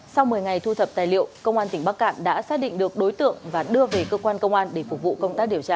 sau một mươi ngày thu thập tài liệu công an tỉnh bắc cạn đã xác định được đối tượng và đưa về cơ quan công an để phục vụ công tác điều tra